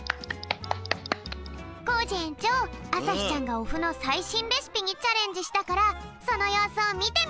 コージえんちょうあさひちゃんがおふのさいしんレシピにチャレンジしたからそのようすをみてみよう！